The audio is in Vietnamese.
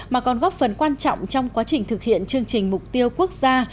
mà còn góp phần quan trọng trong quá trình thực hiện chương trình mục tiêu quốc gia